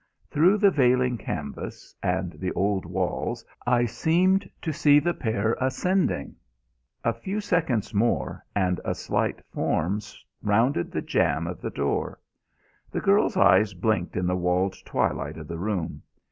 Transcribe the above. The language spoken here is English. Through the veiling canvas and the old walls I seemed to see the pair ascending. A few seconds more, and a slight farm rounded the jamb of the door. The girl's eyes blinked in the walled twilight of the room.